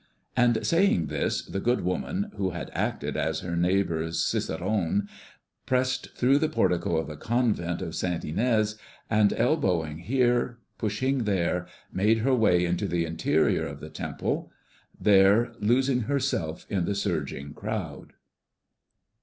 And saying this, the good woman, who had acted as her neighbor's cicerone, pressed through the portico of the convent of Santa Inés, and elbowing here, pushing there, made her way into the interior of the temple, there losing herself in the surging crowd.